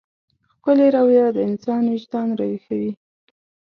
ښکلې رويه د انسان وجدان راويښوي.